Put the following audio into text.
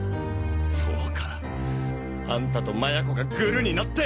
そうかあんたと麻也子がグルになって！